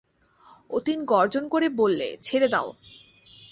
অতীন গর্জন করে বললে, ছেড়ে দাও।